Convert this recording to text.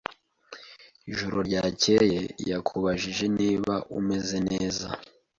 Ijoro ryakeye, yakubajije niba umeze neza.